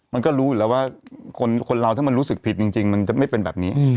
มันก็รู้อยู่แล้วว่าคนเราถ้ามันรู้สึกผิดจริงมันจะไม่เป็นแบบนี้